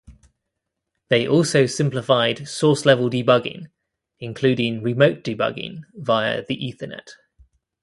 They also simplified source-level debugging, including remote debugging via the Ethernet.